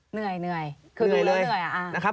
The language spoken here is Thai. เหนื่อยคือดูแล้วเหนื่อย